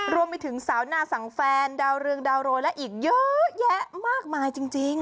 รวมไปถึงสาวนาสังแฟนดาวเรืองดาวโรยและอีกเยอะแยะมากมายจริง